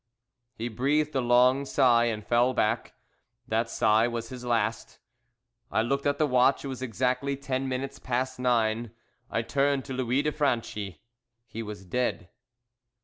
He breathed a long sigh, and fell back. That sigh was his last. I looked at the watch, it was exactly ten minutes past nine. I turned to Louis de Franchi he was dead.